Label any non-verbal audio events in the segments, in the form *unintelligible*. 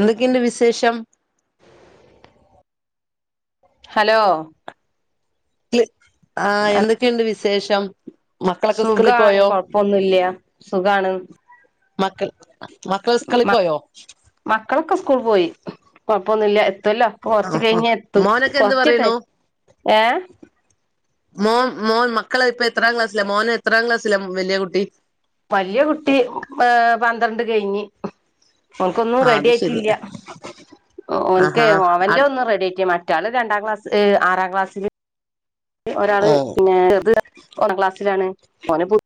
എന്തൊക്കെണ്ട് വിശേഷം? ഹലോ? ആഹ് എന്തൊക്കെയുണ്ട് വിശേഷം? മക്കളൊക്കെ സ്കൂളിൽ സുഖാണ് പോയോ കൊഴപ്പൊന്നുല്ല സുഖാണ്. മക്കൾ മക്കൾ സ്കളി മ പോയോ? മക്കളൊക്കെ സ്കൂൾ പോയി, കൊയപ്പോന്നൂല്ല എത്തൊല്ലോ ആഹ് കൊറച്ച് ആഹ് കഴിഞ്ഞ എത്തും മോനൊക്കെ എന്ത് കൊറച്ചിട്ട പറയണു ഏഹ് മോൻ മോൻ മക്കളെ ഇപ്പ എത്രാം ക്ലാസ്സില മോന് എത്രാം ക്ലാസ്സില ഇപ്പ വലിയ കുട്ടി? വലിയ കുട്ടി ഏഹ് പന്ത്രണ്ട് കഴിഞ്ഞ്. ഓൻക്ക് ഒന്നും ആഹ് റെഡി അത് ശരി ആയിട്ടില്ല, ഒ ഓൻക്ക് ആഹാ അവന്റെ ഒന്നു റെഡിആക്കി മ റ്റാള് രണ്ടാം ക്ലാസ്സ്‌ ഏഹ് ആറാം ക്ലാസ്സില്. ഒരാള് ഓ പിന്നെ ചെർത് ഒമ്പം ക്ലാസ്സിലാണ് ഓന് പു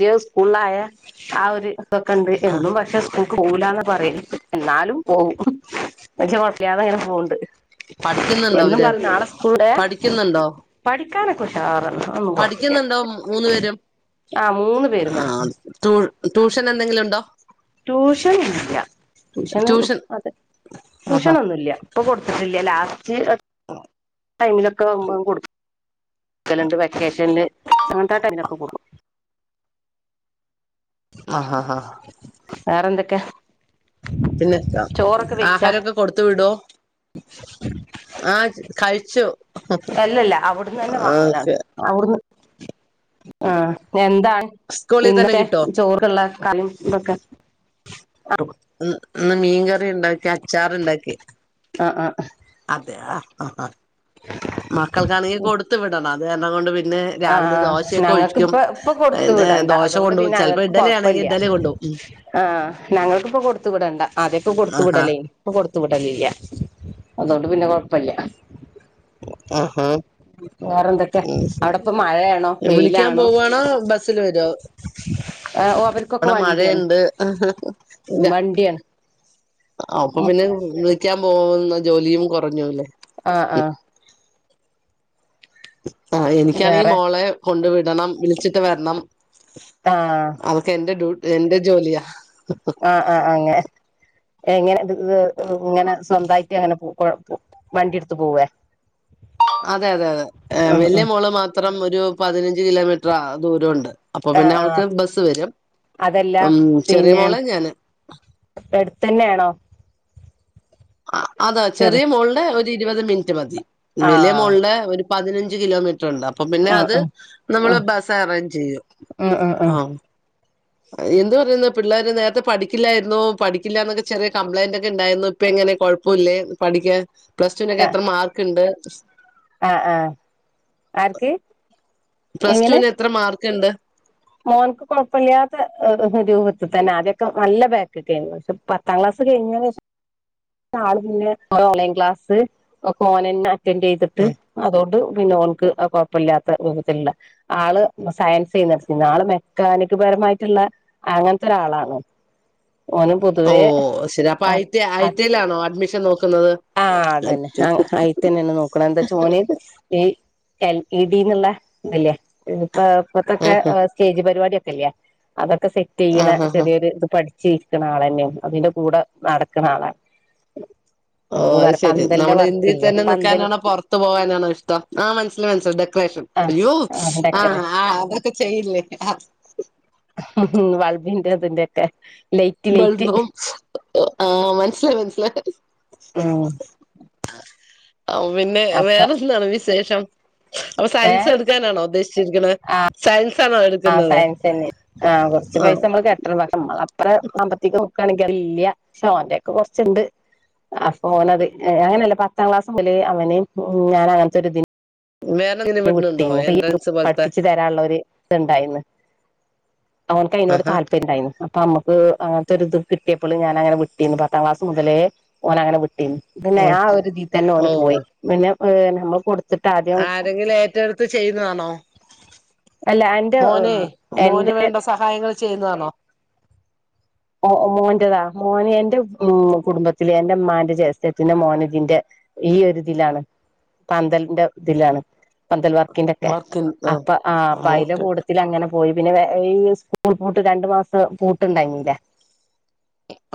തിയ സ്കൂൾളായ ആ ഒരു ഇതൊക്കെണ്ട്, ആഹ് എന്നും പക്ഷെ സ്കൂ ൾക്ക് പോവൂലാന്ന പറയല് എന്നാലും പോവും ഇന്ന വെച്ച കൊയപ്പല്ലാതെങ്ങനെ പോവ്ണ്ട്. പഠിക്കുന്നുണ്ടോ എന്നും അവര് പറയ് നളെ സ്കൂള്ണ്ടെ പഠിക്കുന്നുണ്ടോ പഠിക്കാനെക്ക ഉഷാറ അതൊന്നും കൊഴപ്പല്ല പഠിക്കുന്നുണ്ടോ മൂന്നു പേരും ആഹ് ട്യൂ ട്യൂഷ ന് എന്തെങ്കിലും ഇണ്ടോ? ട്യൂഷൻ ഇല്ല ട്യൂഷന് ട്യൂഷൻ അതെ ആഹാ ട്യൂഷനൊന്നുല്ല. ഇപ്പ കൊടുത്തിട്ടില്ല ലാസ്റ്റ് ആ ടൈമിലൊക്കെ നമ്മള് കൊടുക്കലുണ്ട് വെക്കേഷനി അങ്ങനത്തെ ആ ടൈമിലൊക്കെ കൊടുക്കും ആഹ് ആഹ് വേറെന്തെക്കെ പിന്നെ വെച്ചാ ആഹാരൊക്കെ കൊടുത്തു വിടോ? ആഹ് കഴിച്ചു അല്ലല്ല അവടെന്നെ വാങ്ങലാണ്. ഓക്കെ അവിടുന്ന് ആഹ് എന്താ സ്കൂളിൽ തന്നെ ഇന്നത്തെ കിട്ടോ ചോറക്ള്ളെ ഇതൊക്കെ *unintelligible* ഇന്ന് മീൻ കറി ഇണ്ടാക്കി അച്ചാർ ഇണ്ടാക്കി. ആഹ് ആഹ് ആഹ് അതെ ആഹ് ആഹ് ആഹ് മക്കൾക്കാണെങ്കിൽ കൊടുത്തു വിടണം അത് കാരണം കൊണ്ട് പിന്നെ പിന്നെ രാവിലെ ആഹ് ദോശയൊക്കെ ഞങ്ങൾക്ക് ഒഴിക്കും ഇപ്പ ഇപ്പൊ കൊടുത്തു പിന്നെ വിടണ്ട ദോശ അതുകൊണ്ട് കൊണ്ടപും പിന്നെ ചിലപ്പോ ഞങ്ങൾക്ക് ഇഡലി ആണെങ്കി കൊഴപ്പല്ല ഇഡലി കൊണ്ടവും. ആഹ് ഞങ്ങൾക്കിപ്പൊ കൊടുത്ത് വിടണ്ട ആദ്യക്കെ കൊടുത്ത് ആഹാ വിടലെനി ഇപ്പൊ കൊടുത്ത് വിടലില്ല അതുകൊണ്ട് പിന്നെ കൊഴപ്പല്ല. ആഹ് വേറെന്തൊക്കെ അവിടെപ്പ മഴയാണോ വിളിക്കാൻ വെയിലാണോ പോവാണോ ബസില് വെരോ ആഹ് ഓ അവർക്കൊക്കെ അവിടെ വണ്ടിയാണ് മഴയുണ്ട് ഉം വണ്ടിയാണ് ആ അപ്പൊ ഉം പിന്നെ വിളിക്കാൻ പോകുന്ന ജോലിയും കുറഞ്ഞോളും ആഹ് ആഹ് ആഹ് എനികണീ വേറെ മോളെ കൊണ്ട് വിടണം വിളിച്ചിട്ട് വരണം. ആഹ് അവൾക്കേന്റെ ഡു എന്റെ ജോലിയാ ആഹ് ആഹ് അങ എങ്ങനെ ഇങ്ങനെ സ്വന്തയിട്ട് അങ്ങനെ വണ്ടിട്ത് പോവേ? അതെ അതെ അതെ ഉം വല്യയ ഉം മോള് മാത്രം ഒരു പതിനഞ്ച് കിലോമീറ്റർ ദൂരംണ്ട്. അപ്പൊ പിന്നെ ആഹ് ആഹ് അവൾക്ക് ബസ്സ് വരും അതല്ല ഉം ചെറിയ മോളെ ഞാന് എടുത്തന്നെണോ? ആഹ് ചെറി ചെറിയ മോളുടെ ഒരു ഇരുപത് മിനിറ്റ് മതി വലിയ ആഹ് മോളിടെ ഒരു പതിനഞ്ച് കിലോമീറ്റർണ്ട് അപ്പൊ പിന്നെ അത് ആഹ് ആഹ് നമ്മള് ആഹ് ബസ് അറേഞ്ച് ചെയ്യും ഉം ഉം ഉം ആഹ് എന്ത് പറയുന്ന പിള്ളേരെ നേരത്തെ പഠിക്കില്ലായിരുന്നു പഠിക്കില്ലന്നൊക്കെ ചെറിയ കംപ്ലൈന്റ് ഒക്കെണ്ടായിരുന്നു. ഇപ്പ എങ്ങനെ കുഴപ്പല്ലേ പഠിക്കാൻ പ്ലസ്ടുനൊക്കെ ആഹ് എത്ര മാർക്ക് ണ്ട്? ആഹ് ആഹ് ആര്ക്ക്? പ്ലസ്ടൂനെത്ര മാർക്ക്ണ്ട്? മോൾക്ക് കൊഴപ്പല്ല്യാത്ത രൂപത്തി തന്നെ ആദ്യൊക്കെ നല്ല ബാക്ക് ക്കെയ്ഞ്ഞു. പക്ഷെ പത്താം ക്ലാസ് കഴിഞ്ഞേനേശം ആള് പിന്നെ ഓൺലൈൻ ക്ലാസ് ഒക്കെ ഓനെന്നെ അറ്റന്റീതിട്ട് അതോണ്ട് പിന്നെ ഓൻക്ക് അ കുഴപ്പല്ല്യാത്ത രൂപത്തിലുള്ള ആള് സയൻസെയ്നിട്ത്തിര്ന്ന്. ആള് മെക്കാനിക് പരമായിട്ട്ള്ളെ അങ്ങനെത്തെരാളാണ്. ഓഹ് അഅ് ശരി അപ്പൊ ഐ ടി ഐ ടി ലാണോ അഡ്മിഷൻ നോക്കുന്നത്? ആഹ് അതന്നെ ആഹ് അയിത്തന്നെ ണ് നോക്ക്ണ് എന്താച്ചോന് ഈ എൽ സി ഡിന്നുള്ള ത് ല്ലേ ഇപ്പ ഇപ്പത്തൊക്കെ ആഹ് സ്റ്റേജ് പരിപാടിയൊ ക്കെല്ലേ അതൊക്കെ സെറ്റ്യ്യ്ണ ആഹ് ആഹ് ചെറിയൊരു ത് പഠി ചിര്ക്ക്ണാളന്നെ അതിന്റെ കൂടെ നടക്ക്ണ ആളാണ്. ആഹ് എന്താ അഅ് ശെരി പന്തലിന്റെ നമ്മുടെ ഇന്ത്യയിൽ വർക്കില്ലേ തന്നെ പന്തല് നിക്കാനാണോ പൊറത്തു പോവാനാണോ ഇഷ്ടം. ആഹ് മനസ്സില് മനസ്സില ഡെക്കറേഷൻ. ആഹ് അയ്യോ ഡെക്കറെ ആഹ് ആഹ് അതൊക്കെ ചെയ്യില്ലേ ആഹ് വൾബിന്റെ ഇതിന്റെ എക്കെ ബൾനറും ആഹ് മൽസിലായ് മൻസിലായ് ഉം ആഹ് ഒ പിന്നെ അപ്പൊ വേറെന്താണ് വിസേഷം അപ്പൊ സയൻസ് ഏഹ് എട്ക്കാനാണോ ഉദ്ദേശിച്ചിരിക്ക്ണേ സയൻസാണോ എട് ആഹ് സയൻസെന്നേണ് ആഹ് കൊറച്ച് പൈസ ഇമ്മള് കെ ട്ടണം പക്ഷെ ഇമ്മളെ അത്രെ സാമ്പത്തികം നോക്കാണെങ്കി അത് ഇല്ല്യ പക്ഷെ ഓന്റേക്കെ കൊർച്ച് ഇണ്ട് അപ്പൊഓനത് അങ്ങനെല്ല പത്താം ക്ലാസ് മുതലേ അവനേം ഞാന് അങ്ങൻത്തൊര് ഇതിന് വേറെ ഇതിന് നു വിട്ടീന്ന് ഇപ്പ ഈ പഠിപ്പിച്ചത് ആര തായെ ഇള്ളാേര് ഇവടെ ഇണ്ടായ്ന്ന് മോൻക്കയ്നോട് ആഹാ താല്പ പര്യം ഇണ്ടായിന്ന് അപ്പൊ അമ്മക്ക് അങ്ങത്തൊര് ഇത് കിട്ടിയപ്പള് ഞാനങ്ങനെ വിട്ടീന്നു പത്താം ക്ലാസ് മുതലേ ഓനങ്ങനെ വിടീന്നു പിന്നെ ആഹ് ആ ഒര് ഇതീതന്നെ ഓന് ഓ പോയി പിന്നെ ഹ് നമ്മള് കൊട് ആരെങ്കിലും ഏറ്റെട്ത്ത് ചെയ്യുന്നതാണോ അല്ല എന്റെ മോനെയ് എന്റെ മോന് വേണ്ട സഹായങ്ങൾ ചെയ്യുന്നതാണോ ആഹ് മോന്റതാ മോന് എന്റെ ഉം കുടുംബത്തില് എന്റെഇമ്മാന്റെ ജേസ്ട്ടത്തിന്റെ മോന് ഇതിന്റെ ഈയൊര് ഇതിലാണ് പന്തൽന്റെ ഇതിലാണ് പന്തൽ വർക്കിന്റെക്കെ വർക്കിൻ അപ്പൊ ആഹ് അപ്പയ്ലെ ഓക്കെ കൂട്ടത്തില് അങ്ങനെ പോയി പിന്നെ വേ ഈ സ്കൂൾ പൂട്ട് രണ്ടു മാസ്ത്തെ പൂട്ട് ഇണ്ടായ്നിലെ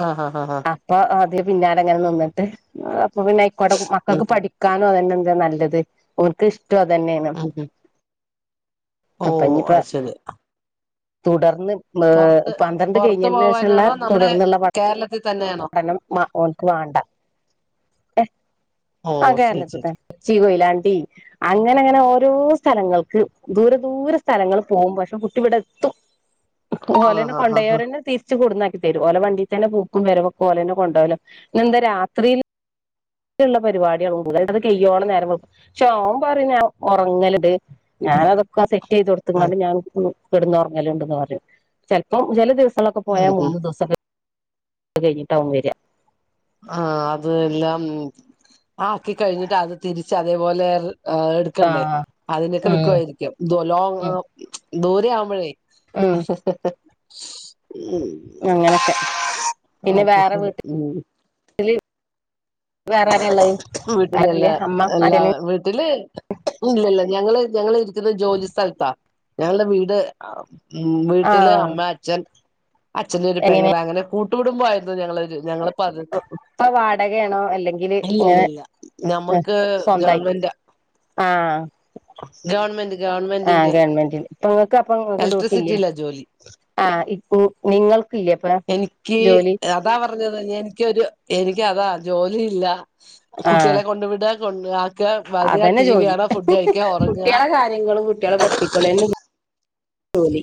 ആഹ് ഹ ഹ ഹ അപ്പൊ അതിന്റെ പിന്നാലെ ഇങ്ങനെ നിന്ന്ട്ട് അപ്പൊ പിന്നയ്ക്കോട്ടെ കു മക്കൾക്ക് ഉം പഠി ക്കാനും അതന്നെന്താ നല്ലത് ഓൽക്കിഷ്ടും അതെന്നേണ് അതെ അപ്പൊ ഓഹ് ഇനിയിപ്പ അത് ശരി തുടർന്ന് മ് പൊറത്ത് പന്ത്രണ്ട് പൊറത്ത് കെയിഞ്ഞൈനേശം ഇള്ളെ പോവാനാണോ നമ്മുടെ തുടർന്ന്ള്ള പഠ കേരളത്തിൽ തന്നെയാണോ പഠനം മ ഓൻക്ക് വാണ്ട എഹ് ഓ ആഹ് ശരി കേരളത്ത്ത്തെ ശരി കൊചി കൊയ്ലാണ്ടി അങ്ങനെ അങ്ങനെ ഓരോ സ്ഥലങ്ങൾക്ക് ദൂരെ ദൂരെ സ്ഥലങ്ങള് പോവും പക്ഷെ കുട്ടി ഇവടെ എത്തും ഓലെന്നെ ആഹ് ഹാ ഹാ ഹാ കൊണ്ടാെയോരെന്നെ തിര്ച്ച് കൊട്ന്നാക്കി തെരും ഓലെ വണ്ടീതന്നെ പോക്കും വെരവൊക്കെ ഓലെന്നെ കൊണ്ടോവല ഇന്നെന്താ രാത്രിയിൽ ഇള്ള പരിവാടികൾക്കൊന്നും പോവൂല അത് കെയ്യോളം നേരം വെള്ക്കും പക്ഷേ ഓന് പറയ്ണ് ഞാൻ ഒറങ്ങല്ണ്ട് ഞാനതൊക്കെ സെ ആഹ് റ്റീതൊട്ത്ത്ങ്ങാണ്ട് ഞാൻ ഒന്ന് കെട്ന്നൊറങ്ങല്ണ്ട്ന്ന് പറയും ചെൽപ്പം ചെല ദിവസം ഇപ്പളൊക്കെ പോയാ ഉം ഉം മൂന്ന് ദിവസൊക്കെ കെയിഞ്ഞിട്ടാവും വെരാ ആഹ് അത് എല്ലാം ആക്കി കഴിഞ്ഞിട്ട് അത് തിരിച്ച് അതേപോലെ എർ ഹ് എട് ക്കണ്ടേ ആഹ് അതിനെക്കെ ഉം നിക്കുവായിരിക്കും ഇത് എല്ലാം ഉം ഇങ്ങ് ദൂരെ ആവുമ്പഴേ ഉം ഉം അങ്ങനെക്കെ പിന്നെ അത് വേറെ ശരി വീട്ടിൽ ആരാ ഇള്ളത് ഉം വീട്ടില് എല്ലാ ആരുല്ല അമ്മ എല്ലാ അച്ഛന് വീട്ടില് ഇല്ലല്ല ഞങ്ങള് ഞങ്ങള് ഇരിക്ക്ന്നത് ജോലി സ്ഥൽത്താ ഞങ്ങളെ വീട് ഉം വീട്ടില് ആഹ് അമ്മ അച്ഛൻ അച്ഛന്റെ ഒരു എങ്ങനെ പെങ്ങള് അങ്ങനെ കൂട്ടു കുടുംബായിരുന്നു ഞങ്ങളേത് ഞങ്ങള് ഇപ്പ അത് ഇപ്പൊ വാടകേണോ അല്ലെങ്കി ഇതില് ഇല്ല ഇങ്ങനെ ഇല്ല ആഹ് ഞമ്മക്ക് സ്വന്തായിറ്റ് ആഹ് ഗവർമെന്റ് ആഹ് ഗവൺ മെന്റില് ഇപ്പങ്ങക്ക് ഇപ്പ നിങ്ങക്ക് ഡ്യൂട്ടി ഇല്ലേ ഇലക്ട്രിസിറ്റിയിലാ ജോലി ആ ഇപ്പോ നിങ്ങൾക്കില്ലേ ഇപ്പൊ എനിക്ക് ജോലി അതാ പറഞ്ഞത് എനിക്കൊരു എനിക്ക് അതാ ജോലിയില്ല ആഹ് കുട്ടികളെ കൊണ്ടു വിട കൊണ്ടാക്ക വര അതന്നെ ടി വി കാണാ ഫുഡ് കഴിക്ക ഉറങ്ങാ ഇങ്ങളെ കുട്ട്യേളെ പടിപ്പിക്കൂല അതെന്നെ ജോലി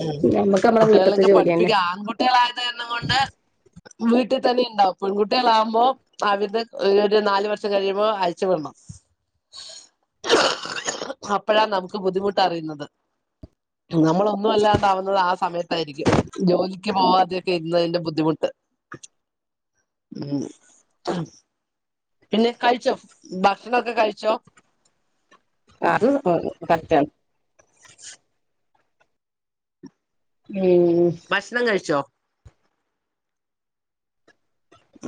ഉം നമ്മുക്ക് നമ്മടെ വീട്ടത്തെ ജോലിയന്നെ കുട്ടികളായത് കാരണം കൊണ്ട് വീട്ടിൽ തന്നെ ഉണ്ടാവും പെൺകുട്ടികളാകുമ്പോ അവരത് ഒരു നാല് വർഷം കഴിയുമ്പോ അയച്ചു വിടണം അപ്പോഴാ നമുക്ക് ബുദ്ധിമുട്ട് അറിയുന്നത് നമ്മള് ഒന്നുവെല്ലാണ്ടാവുന്നത് ആ സമയത്തായിരിക്കും ജോലി ജോലിക്ക് പോവാതെക്കെ ഇരുന്നതിന്റെ ബുദ്ധിമുട്ട് പിന്നെ കഴിച്ചോ ഭക്ഷണൊക്കെ കഴിച്ചോ അത് കറക്റ്റാ ഉം ഭക്ഷണം കഴിച്ചോ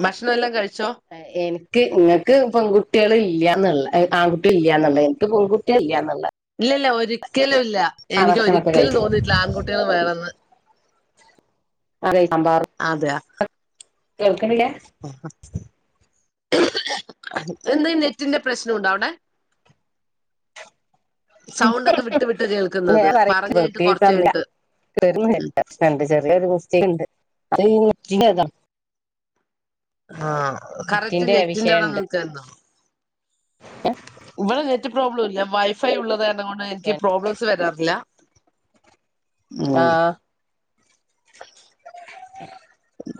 ഭക്ഷണം എല്ലാം കഴിച്ചോ എനിക്ക് ഇങ്ങക്ക് പെൺകുട്ട്യേള് ഇല്ല്യാന്ന്ള്ളെ ആൺകുട്ടി ഇല്യാന്ന്ള്ളെ എനിക്ക് പെൺകുട്ട്യേള് ഇല്യാന്ന്ള്ളെ ഇല്ല ഇല്ല ഒരിക്കലും ഇല്ല എനിക്ക് ഭക്ഷണൊക്കെ ഒരിക്കലും കഴിച്ചു തോന്നിയിട്ടില്ല ആൺകുട്ടികൾ വേണെന്ന് അതേ സാമ്പാറ് അതെയ കേക്കണില്ലേ എന്താ ഈ നെറ്റിന്റെ പ്രശ്ണണ്ടോ അവിടെ സൗണ്ടക്കെ വിട്ട് വിട്ട് കേൾക്കുന്നത് പറഞ് കഴിഞ്ഞിട്ട് കുറച്ച് കഴിഞ്ഞിട്ട് *unintelligible* പ്രശ്നുണ്ട് ചെറിയൊരു മിസ്റ്റയ്ക്ക്‌ ഉണ്ട് അത് *unintelligible* ആഹ് കറക്റ്റ് നെറ്റിന്റെ അവിടെ നോക്ക്ന്നോ ഏഹ് നെറ്റ് പ്രോബ്ലം ഇല്ല വൈഫൈ ഉള്ളത് കരണം കൊണ്ട് എനിക്ക് പ്രോബ്ലംസ് വരാറില്ല ഉം ആഹ്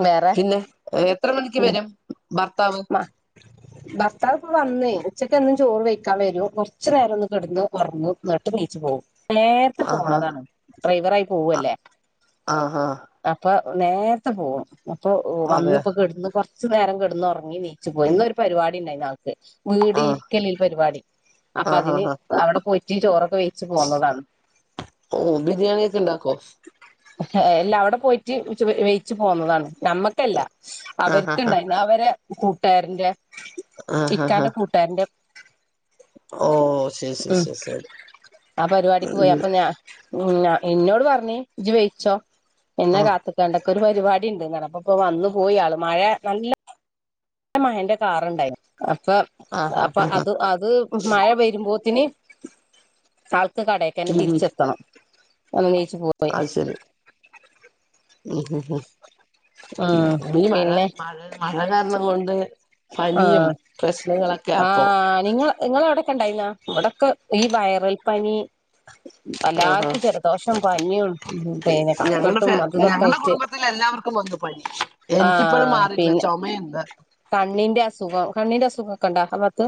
വേറെ പിന്നെ എത്ര മണിക്ക് വരും ഭർത്താവ് ഭർത്താവിപ്പം വന്നേ ഉച്ചക്ക് എന്നും ചോറ് വയ്ക്കാൻ വരും കുറച്ച് നേരം ഒന്ന് കിടന്ന് ഉറങ്ങും എന്നിട്ട് എണീച്ച് പോകും നേരത്തെ ആഹാ പോണതാണ് ഡ്രൈവറായി പോവല്ലേ ആഹ് ആഹ് അപ്പൊ നേരത്തെ പോകും അപ്പൊ അതെയോ വന്നിപ്പോ കെടന്ന് കൊറച്ചു നേരം കിടന്നെ ഉറങ്ങി നീച്ചു പോയി ഇന്നൊരു പരിപാടി ഉണ്ടായി ആൾക്ക് വീട് ആഹ് ഇരിക്കലിൽ പരിപാടി അപ്പം ആഹ് അതിന് ആഹ് അവിടെ പൊയിറ്റ് ചോറൊക്കെ വെയ്ച്ച് പോന്നതാണ് ഓഹ് ബിരിയാണി ഒക്കെ ഉണ്ടാക്കേ അല്ലാ അവിടെ പോയിട്ട് വേയിച്ചു പോന്നതാണ് നമ്മ ക്കല്ല ആഹ് ആഹ് അവർക്കുണ്ടായിരുന്നു. അവരെ കൂട്ടുകാരന്റെ ആഹ് ആഹ് ഇക്കാന്റെ കു ട്ടുക്കാരന്റെ ഓ ശരി ശരി ഉം. ശരി ശരി ആ പരിപാടിക്ക് പോയി അപ്പൊ ഞാൻ ഉം എന്നോട് പറഞ്ഞി ഇജ് വേടിച്ചോ എന്നെ ആഹ് കാത്തി നടക്കുന്ന പരിപാടി ഉണ്ട് *unintelligible* ഇപ്പോ വന്നു പോയി ആള് മഴ നല്ല എന്റെ മഹന്റെ കാറുണ്ടായി അപ്പൊ ആഹ് അപ്പൊ ആഹ് ആഹ് അത് അത് മഴ വരുമ്പോത്തിന് ആൾക്ക് കടേക്കന്നെ ഉം തിരിച്ചെത്തണം. വന്നേച്ച് പോ അത് ശരി. ഉം ഈ മഴ പിന്നെ മഴ മഴ കാരണം കൊണ്ട്- പനിയും ആഹ് പ്രശ്നങ്ങളൊക്കെയാ ഇപ്പൊ. ആഹ് നിങ്ങൾ നിങ്ങടെ അവിടൊക്കെണ്ടായിരുന്നോ ഇവടൊക്കെ ഈ വയറൽ പനി ആഹ് എല്ലാർക്കും ജലദോഷം ആഹ് പനിയും പിന്നെ ഞങ്ങളുടെ ഫാ കഫക്കെട്ടും അതും ഇതൊക്കെ ഞങ്ങളുടെ ആയിട്ട് കുടുംബത്തിൽ എല്ലാവർക്കും വന്നു. എനിക്കിപ്പഴും മാറിയിട്ടില്ല ചൊമയുണ്ട്. - ണ്ണിന്റെ അസുഖം കണ്ണിന്റെ അസുഖം ഒക്കെ ഉണ്ടോആ ബാത്ത്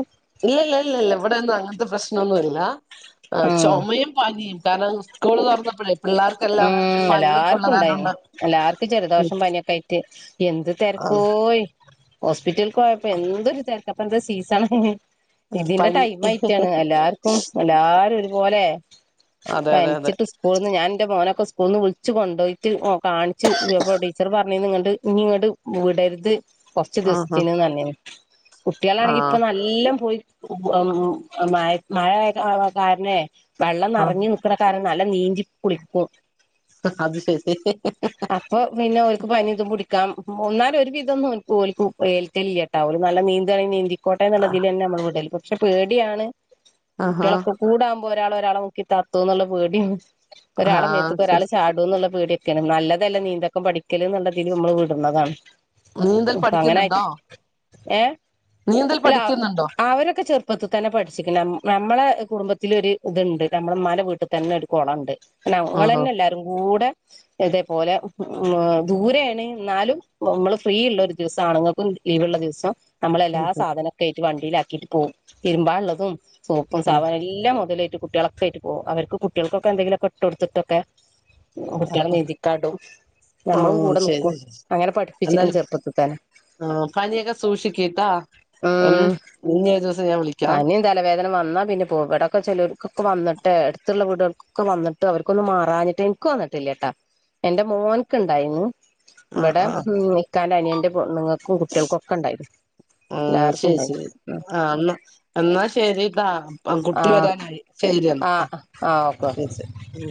ഇല്ലല്ല ഇല്ല ഇവിടെന്നും അങ്ങനത്തെ പ്രശ്നന്നുല്ല. ഉം ചുമയും പനിയും കാരണം സ്കൂള് തുറന്ന ഉം എല്ലാർക്കും ണ്ടായിനി. കാരണംകൊണ്ട് എല്ലാർക്കും ഉം ജലദോഷം പനിയൊക്കയിട്ട് എന്ത് ആഹ് തെരക്കോയ് ഹോസ്പിറ്റല്ക്കോയപ്പോ എന്തൊരു തെരക്ക പ്പ എന്താ സീസണാ- ഇതിന്റെ പനി ടൈംമായിറ്റാണ് എല്ലാർ ഉം എല്ലാരും ഒരുപോലെ അതെ അതെ അതെ പന്ച്ചിട്ട് സ്കൂളിൾന്ന് ഞാൻ ന്റെ മോനൊക്കെ സ്കൂൾ ന്ന് വിളിച്ച്കൊണ്ടോയിട്ട് കാണിച്ച് ഇപ്പോ ടീച്ചർപർഞ്ഞിന്ന് ന്നട്ട് ഇനി ഇങ്ങട്ട് വിടര്ത് കൊറച്ച് ആഹ് ദിവസത്തിന് ന്നർഞ്ഞീണ് കുട്ടികളാണെങ്കി ഇപ്പൊ ആഹ് നല്ല പോയി മ മയ മഴ കാരണെ വെള്ളം ആഹ് നെറഞ്ഞ് നിക്കണ കാരണം നല്ല നീന്തികുളിക്കും. അത് ശരി അപ്പൊ പിന്നെ ഓല്ക്ക് പനി പിടിക്കാം എന്നാലും ഒരു വിധമൊന്നും ഓൽക്ക് ഏൽക്കല്ലില്ലാ ട്ടാവും നല്ല നീന്താണെങ്കി നീന്തിക്കോട്ടെ എന്നുള്ളതിലന്നെ നമ്മൾ വിടല്. പക്ഷെ പേടിയാണ് ആഹാ കുട്ട്യാളൊക്കെ കൂടാകുമ്പോ ഒരാൾ ഒരാളെ മുക്കി താത്തോന്നുള്ള പേടിണ്ട്. ഒരാളെ ആഹ് മേത്ത്ക്ക് ഒരാൾ ശരി ചാടി ട്ന്നുള്ളപേടിയൊക്കെയാണ്. നല്ലതല്ലേ നീന്തക്കം പഠിക്കല്ന്നുള്ള ദിൽ നമ്മൾ വിടുന്നതാണ്. നീന്തൽ പഠിക്കിന്ന്ണ്ടോ ഏഹ് ല്ലാ പഠിക്കുന്നുണ്ടോ അവരൊക്കെ ചെറുപ്പത്ത് തന്നെ പട്ച്ചിക്ക്ണ്. നമ്മളെ കുടുംബത്തില് ഒരു ഇത്ണ്ട് നമ്മളെ മ്മാന്റെ വീട്ടിതന്നെ ഒരു കൊളം ണ്ട്. ആഹ് ഞങ്ങള്ന്നെ എല്ലാരും കൂടെ ഇതേപോലെ ഉം ദൂരെണ് ന്നാലും നമ്മള് ഫ്രീള്ള ഒരു ദിവസം ആണങ്ങൾക്കും ലീവുള്ള ദിവസം നമ്മള് എല്ലാ ഉം ഉം സാധനൊക്കെ ആയിട്ട് വണ്ടിയിലാക്കിയിട്ട് പോവും. തിരുമ്പാള്ളതും സോപ്പും ആ സാബൂനും എല്ലാം മോതലായിട്ട് കുട്ട്യാൾ ഒക്കയിട്ട് പോവും. അവർക്ക് കുട്ട്യാൾക്കൊക്കെ എന്തെലൊക്കെ ട്ടെട്ത്തിട്ടൊക്കെ കുട്ട്യാളെ നീന്തിക്കാടും ഓ നമ്മള് കൂടെ നിക്കും. ശരി ശരി അങ്ങനെ പഠിപ്പിച്ചിക്ക്ണ് ചെറുപ്പത്തിൽ തന്നെ. ഉം പനിയൊക്കെ സൂക്ഷിക്ക്ട്ടോ. ഉം ഇനി ഒരു ദിവസം ഞാൻ വിളിക്കാം പനിയും തലവേദന വന്നാ പിന്നെ പോക്ക വടൊക്കെ ചെലോർക്ക്പ്പം വന്നിട്ട് അടുത്ള്ള വീട്കൾക്കൊക്കെ വന്നിട്ട് അവർക്കൊന്നു മാറാഞ്ഞിട്ട് ഇന്ക്ക് വന്നിട്ടില്യട്ടോ എന്റെ മോൻക്ക് ണ്ടായിനി ആ ഇവടെ ആ ഇക്കാന്റെ അനിയന്റെ പെണ്ണ്ങ്ങ ക്കും കുട്ട്യാൾക്കൊക്കെണ്ടായിന്നു എല്ലാർക്കുണ്ടായി ആഹ് ന്ന് എന്നാ ശരിട്ടാ ആ കുട്ടി വരാനായി ശരിയെന്ന ആ ശരി ശരി ഉം